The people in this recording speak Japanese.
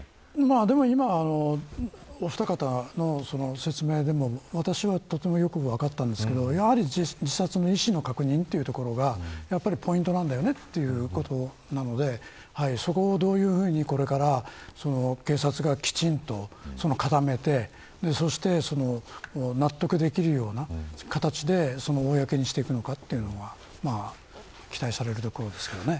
今のお二方の説明でも私はとてもよく分かりましたけど自殺の意思の確認というところがポイントなんだよねということなのでそこをどういうふうにこれから警察がきちんと固めて納得できるような形で公にするのか期待されるところですよね。